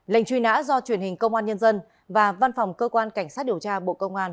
lệnh truy nã do truyền hình công an nhân dân và văn phòng cơ quan cảnh sát điều tra bộ công an